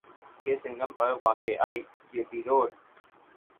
کے سنگم پر واقع آئی جے پی روڈ